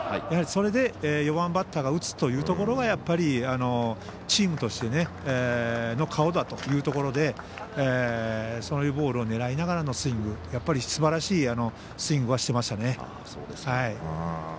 やはり、それで４番バッターが打つというところがチームとしての顔だというところでそういうボールを狙いながらのスイングすばらしいスイングはしてますよね。